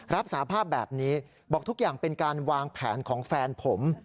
รับสาภาพแบบนี้บอกทุกอย่างเป็นการวางแผนของแฟนผม